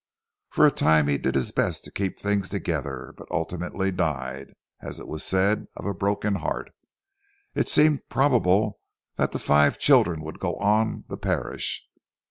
For a time he did his best to keep things together, but ultimately died as it was said of a broken heart. It seemed probable that the five children would go on the parish.